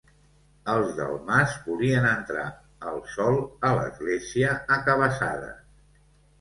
Els del Mas, volien entrar el sol a l'església a cabassades.